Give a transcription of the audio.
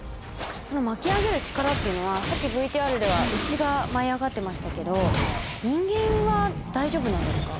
その巻き上げる力っていうのはさっきＶＴＲでは牛が舞い上がってましたけど人間は大丈夫なんですか？